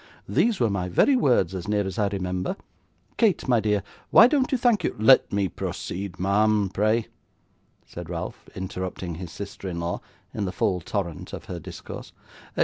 These were my very words, as near as I remember. Kate, my dear, why don't you thank your ' 'Let me proceed, ma'am, pray,' said Ralph, interrupting his sister in law in the full torrent of her discourse.